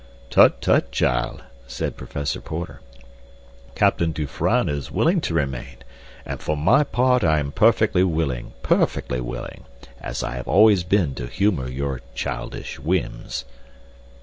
"Tut, tut, child," said Professor Porter. "Captain Dufranne is willing to remain, and for my part I am perfectly willing, perfectly willing—as I always have been to humor your childish whims."